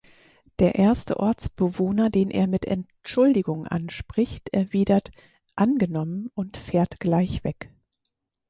Der erste Ortsbewohner, den er mit "Entschuldigung" anspricht, erwidert "angenommen" und fährt gleich weg.